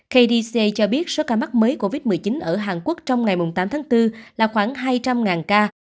kdc cho biết số ca mắc mới covid một mươi chín ở hàn quốc trong ngày tám tháng bốn là khoảng hai trăm linh ca